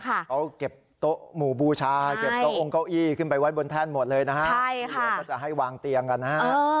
เขาเก็บโต๊ะหมู่บูชาเก็บโต๊ะองค์เก้าอี้ขึ้นไปไว้บนแท่นหมดเลยนะฮะเดี๋ยวก็จะให้วางเตียงกันนะฮะ